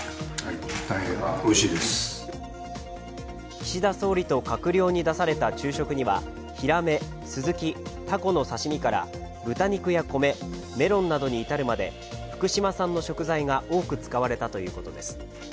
岸田総理と閣僚に出された昼食にはひらめ、すずき、たこの刺身から豚肉や米、メロンなどに至るまで福島産の食材が多く使われたということです。